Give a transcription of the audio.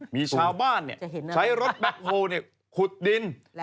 มีชาวบ้านเนี่ยใช้รถแป๊กโภเนี่ยขุดดิน